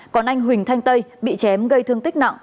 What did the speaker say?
còn anh huỳnh thanh tây bị chém gây thương tích nặng